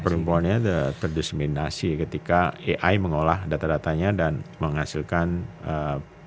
perempuannya terdisminasi ketika ai mengolah data datanya dan menghasilkan ee